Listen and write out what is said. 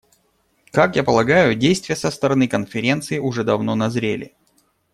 Как я полагаю, действия со стороны Конференции уже давно назрели.